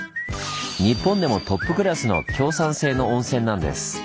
日本でもトップクラスの強酸性の温泉なんです。